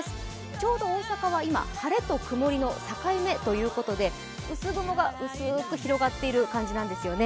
ちょうど大阪は今、晴れと曇りの境目ということで薄雲が薄く広がってる感じなんですよね。